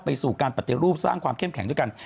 สู่การปฏิรูปสร้างความเข้มแข็งด้วยกัน